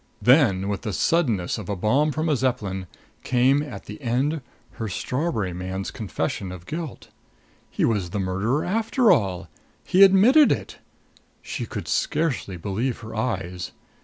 Then, with the suddenness of a bomb from a Zeppelin, came, at the end, her strawberry man's confession of guilt. He was the murderer, after all! He admitted it! She could scarcely believe her eyes.